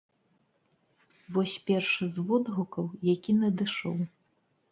Вось першы з водгукаў, які надышоў.